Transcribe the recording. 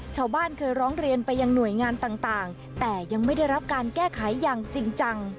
ชาวบ้านเคยร้องเรียนไปยังหน่วยงานต่างแต่ยังไม่ได้รับการแก้ไขอย่างจริงจัง